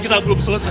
apa betul ya